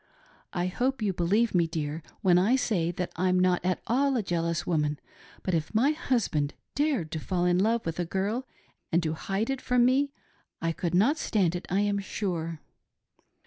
I hope you believe me, dear, when I say that I'm not at all a jealous woman, but if my husband dared to fall in love with a girl and to hide it from me, I could not stand it I am sure.